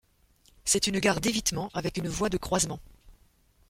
C'est une gare d'évitement avec une voie de croisement.